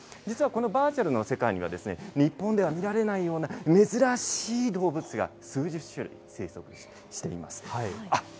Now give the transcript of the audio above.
実はこのバーチャルの世界には、日本では見られないような珍しい動物が数十種類生息しています。